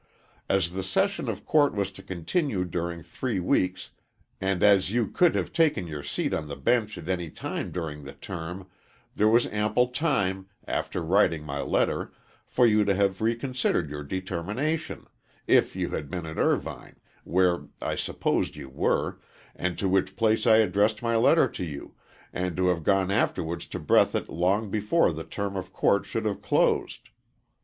As the session of court was to continue during three weeks, and as you could have taken your seat on the bench at any time during the term, there was ample time, after writing my letter, for you to have reconsidered your determination, if you had been at Irvine, where I supposed you were, and to which place I addressed my letter to you, and to have gone afterwards to Breathitt long before the term of court should have closed.